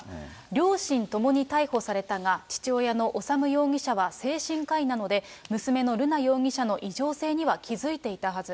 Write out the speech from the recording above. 両親ともに逮捕されたが、父親の修容疑者は精神科医なので、娘の瑠奈容疑者の異常性には気付いていたはず。